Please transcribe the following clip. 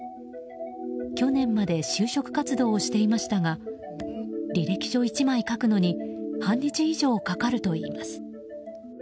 去年まで就職活動をしていましたが履歴書１枚書くのに半日以上かかるといいます。